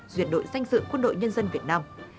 duyệt đội danh dự quân đội nhân dân việt nam